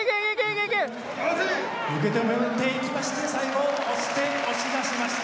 受け止めていきまして最後押して押し出しました。